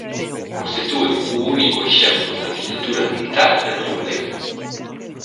Constitúe o único exemplo de arquitectura militar en Ribadeo.